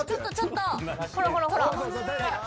［ほらほらほら］